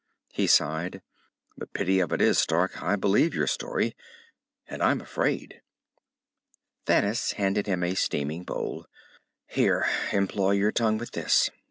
He sighed. "The pity of it is, Stark, I believe your story. And I'm afraid." Thanis handed him a steaming bowl. "Here employ your tongue with this.